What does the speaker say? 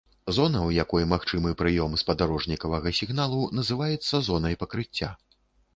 Зона, у якой магчымы прыём спадарожнікавага сігналу, называецца зонай пакрыцця.